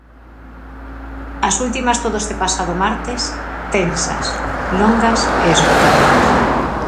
As últimas todo este pasado martes, tensas, longas e esgotadoras.